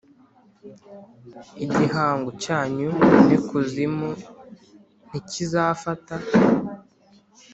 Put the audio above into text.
igihango cyanyu n’ikuzimu ntikizafata.